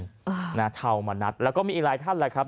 อ่านะเทามณัฐแล้วก็มีอีกหลายท่านแหละครับ